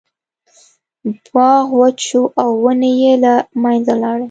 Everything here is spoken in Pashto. باغ وچ شو او ونې یې له منځه لاړې.